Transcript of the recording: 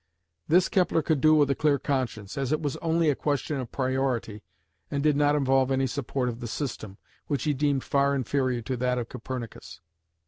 This Kepler could do with a clear conscience, as it was only a question of priority and did not involve any support of the system, which he deemed far inferior to that of Copernicus.